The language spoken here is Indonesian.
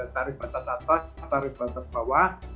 tarif pasar atas tarif pasar bawah